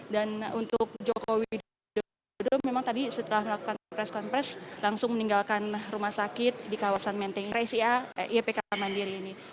dan untuk jokowi dodo memang tadi setelah melakukan proses proses langsung meninggalkan rumah sakit di kawasan menteng rca ypk mandiri ini